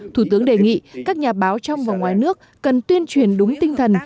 thủ tướng đề nghị các nhà báo trong và ngoài nước cần tuyên truyền đúng tinh thần